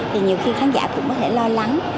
thì nhiều khi khán giả cũng có thể lo lắng